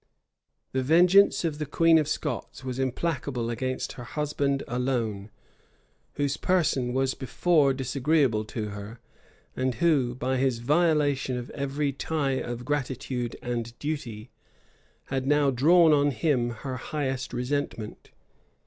[*] The vengeance of the queen of Scots was implacable against her husband alone, whose person was before disagreeable to her, and who, by his violation of every tie of gratitude and duty, had now drawn on him her highest resentment.